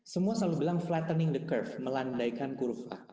semua selalu bilang flattening the curve melandaikan kurva